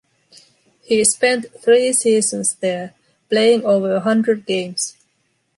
He spent three seasons there, playing over a hundred games.